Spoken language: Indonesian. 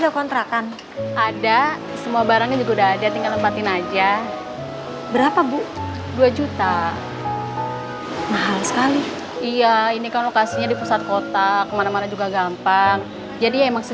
gampang jadi emang segitu harganya